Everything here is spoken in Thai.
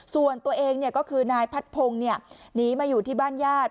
ส่วนตัวเองก็คือนายพัดพงศ์หนีมาอยู่ที่บ้านญาติ